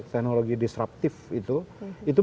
teknologi disruptif itu